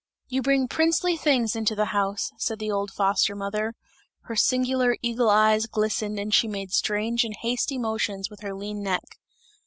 "You bring princely things into the house!" said the old foster mother, her singular eagle eyes glistened and she made strange and hasty motions with her lean neck.